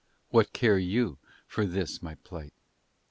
And what care you for this my plight!